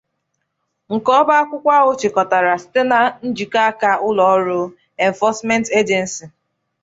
nke ọba akwụkwọ ahụ chịkọbàrà site na njikọaka ụlọọrụ 'Enforcement Agency